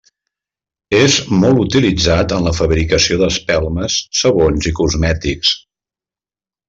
És molt utilitzat en la fabricació d'espelmes, sabons i cosmètics.